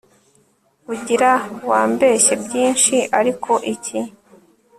ugira wambeshye byinshi ariko iki